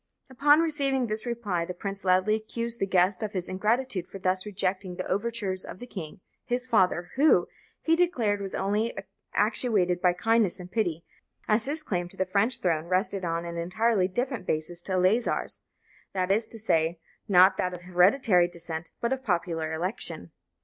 Upon receiving this reply the prince loudly accused his guest of ingratitude for thus rejecting the overtures of the king, his father, who, he declared, was only actuated by kindness and pity, as his claim to the French throne rested on an entirely different basis to Eleazar's; that is to say, not that of hereditary descent, but of popular election.